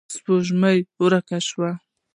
سپوږمۍ ورکه شوه.